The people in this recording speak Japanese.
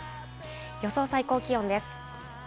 予想最高気温です。